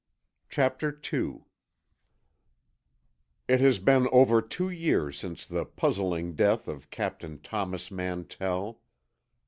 CHAPTER II It has been over two years since the puzzling death of Captain Thomas Mantell.